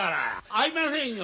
合いませんよ